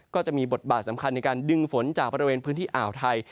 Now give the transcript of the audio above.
ก็จะมีบทบาทสำคัญในการดึงฝนจากบริเวณพื้นที่อ่าวไทย